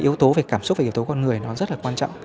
yếu tố về cảm xúc và yếu tố con người nó rất là quan trọng